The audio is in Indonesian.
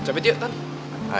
cabut yuk tan